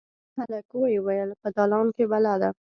هلک ویې ویل: «په دالان کې بلا ده.»